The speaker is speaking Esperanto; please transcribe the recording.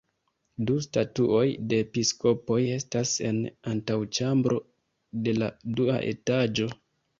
Du statuoj de episkopoj estas en antaŭĉambro de la dua etaĝo.